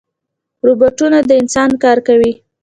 روبوټونه د انسان کار کوي